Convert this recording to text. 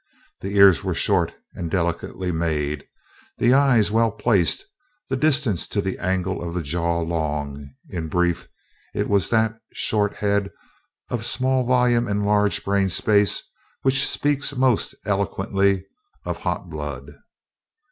The ears were short and delicately made, the eyes well placed, the distance to the angle of the jaw long in brief, it was that short head of small volume and large brain space which speaks most eloquently of hot blood.